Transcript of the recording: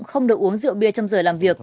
không được uống rượu bia trong giờ làm việc